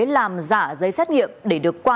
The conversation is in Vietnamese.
làm giả giấy xét nghiệm để được qua